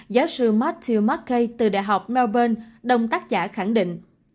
giáo sư matthew mckay từ đại học melbourne đồng tác giả khẳng định